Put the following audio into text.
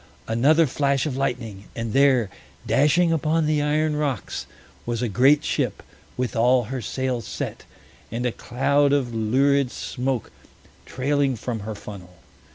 Another flash of lightning, and there, dashing upon the iron rocks, was a great ship, with all her sails set, and a cloud of lurid smoke trailing from her funnel.